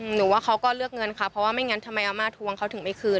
หนูว่าเขาก็เลือกเงินค่ะเพราะว่าไม่งั้นทำไมอาม่าทวงเขาถึงไม่คืน